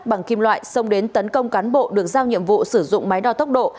bằng kim loại xông đến tấn công cán bộ được giao nhiệm vụ sử dụng máy đo tốc độ